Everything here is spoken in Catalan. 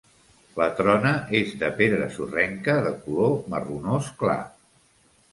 La trona és de pedra sorrenca de color marronós clar.